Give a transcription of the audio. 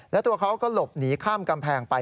แล้วตัวเขาก็หลบหนีข้ามกำแพงไป